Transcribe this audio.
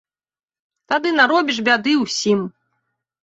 Тады наробіш бяды ўсім.